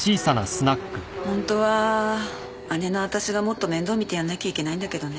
本当は姉の私がもっと面倒見てやらなきゃいけないんだけどね。